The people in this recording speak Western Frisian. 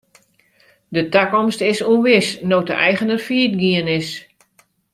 De takomst is ûnwis no't de eigener fallyt gien is.